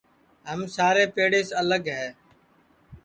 ہم سارے پیڑیس الگے ہے